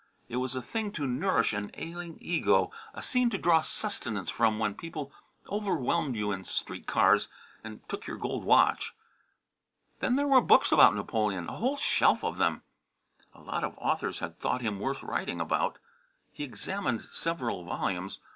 It was a thing to nourish an ailing ego, a scene to draw sustenance from when people overwhelmed you in street cars and took your gold watch. Then there were books about Napoleon, a whole shelf of them. A lot of authors had thought him worth writing about. He examined several volumes.